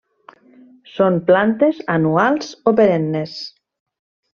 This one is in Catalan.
Són Plantes anuals o perennes.